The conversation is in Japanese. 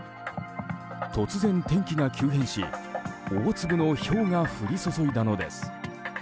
突然、天気が急変し大粒のひょうが降り注いだのです。